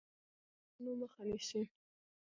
• غونډۍ د بادونو مخه نیسي.